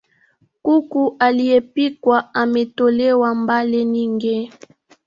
Kuku aliyepikwa ametolewa mbale ningi